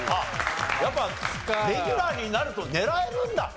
やっぱレギュラーになると狙えるんだね。